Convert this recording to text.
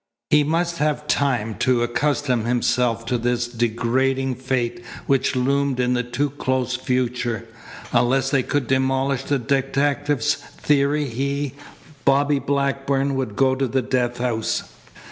He must have time to accustom himself to this degrading fate which loomed in the too close future. Unless they could demolish the detective's theory he, Bobby Blackburn, would go to the death house.